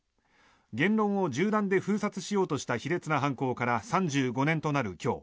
言論を銃弾で封殺しようとした卑劣な犯行から３５年となる今日